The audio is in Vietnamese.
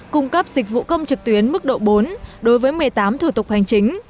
cung cấp dịch vụ công trực tuyến mức độ bốn đối với một mươi tám thủ tục hành chính